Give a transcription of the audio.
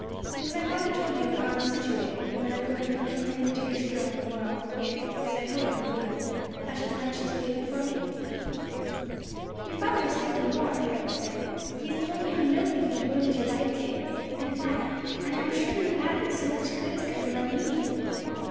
Has my father told you how I am situated, and that I am going home to claim the dearest girl in the world, if, as I hope and believe, I shall find she has waited for me?" "Your father has told me more," Frank said; "he has told me how nobly you devoted your life to his, and why, and I am truly glad that so much good has come of our meeting.